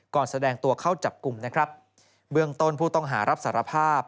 แสดงตัวเข้าจับกลุ่มนะครับเบื้องต้นผู้ต้องหารับสารภาพ